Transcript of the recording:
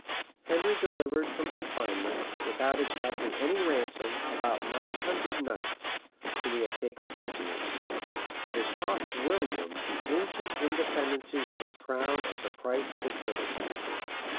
Henry delivered from confinement, without exacting any ransom, about nine hundred knights, whom he had taken prisoners; but it cost William the ancient independency of his crown as the price of his liberty.